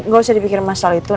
gak usah dipikirin masalah itu